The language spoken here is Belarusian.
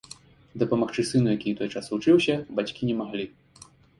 Дапамагчы сыну, які ў той час вучыўся, бацькі не маглі.